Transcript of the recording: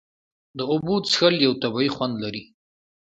د اوبو څښل یو طبیعي خوند لري.